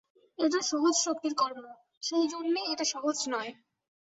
এটা সহজ শক্তির কর্ম, সেইজন্যেই এটা সহজ নয়।